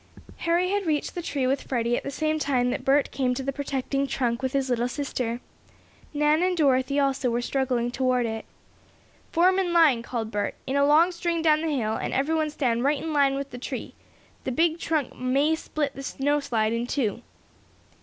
Harry had reached the tree with Freddie at the same time that Bert came to the protecting trunk with his little sister. Nan and Dorothy also were struggling toward it. "Form in line!" called Bert. "In a long string down the hill, and every one stand right in line with the tree. The big trunk may split the snow slide in two."